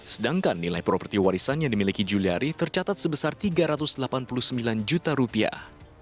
sedangkan nilai properti warisan yang dimiliki juliari tercatat sebesar tiga ratus delapan puluh sembilan juta rupiah